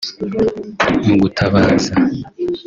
mu gutabaza